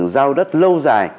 giao đất lâu dài